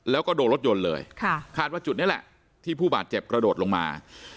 แล้วก็โดนรถยนต์เลยคาดว่าจุดนี้แหละที่ผู้บาดเจ็บกระโดดลงมา